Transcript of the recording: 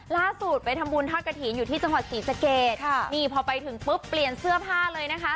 ล่าสุดไปทำบุญทอดกระถิ่นอยู่ที่จังหวัดศรีสะเกดค่ะนี่พอไปถึงปุ๊บเปลี่ยนเสื้อผ้าเลยนะคะ